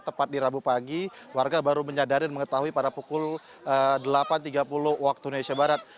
tepat di rabu pagi warga baru menyadari dan mengetahui pada pukul delapan tiga puluh waktu indonesia barat